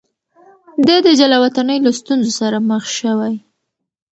ده د جلاوطنۍ له ستونزو سره مخ شوی.